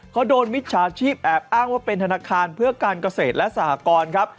เขาโดนมิจฉาชีพแอบอ้างว่าเป็นธนาคารเพื่อการเกษตรและสหกรครับ